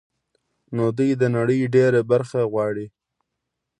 نو دوی د نړۍ ډېره برخه غواړي